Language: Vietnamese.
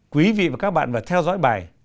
quý vị và các bạn phải theo dõi bài